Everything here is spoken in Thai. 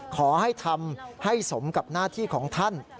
ขอให้ทำให้สมกับหน้าที่ของท่าน